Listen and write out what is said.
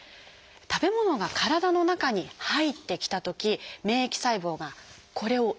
食べ物が体の中に入ってきたとき免疫細胞がこれを異物と捉えます。